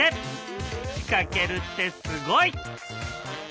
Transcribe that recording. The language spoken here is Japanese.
仕掛けるってすごい！